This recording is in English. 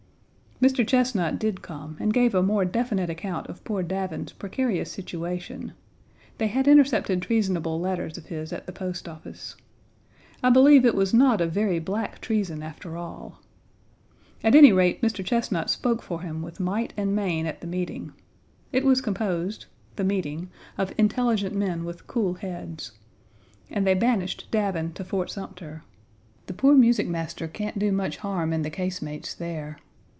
Mr. Chesnut did come, and gave a more definite account of poor Davin's precarious situation. They had intercepted treasonable letters of his at the Post Office. I believe it was not a very black treason after all. At any rate, Mr. Chesnut spoke for him with might and main at the meeting. It was composed (the meeting) of intelligent men with cool heads. And they banished Davin to Fort Sumter. The poor Music Master can't do much harm in the casemates there.